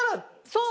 そう！